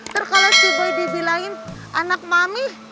terkala si boy dibilangin anak mami